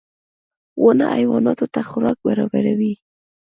• ونه حیواناتو ته خوراک برابروي.